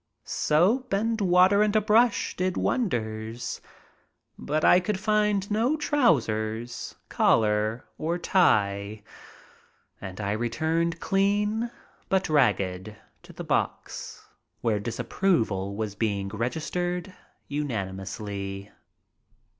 Soap and water and a brush did wonders, but I could find no trousers, collar, or tie, and I returned clean but ragged to the box, where disapproval was being registered unanimously.